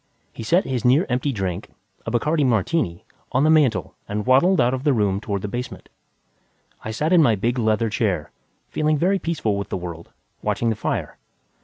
He set his near empty drink a Bacardi martini on the mantel and waddled out of the room toward the basement. I sat in my big leather chair, feeling very peaceful with the world, watching the fire.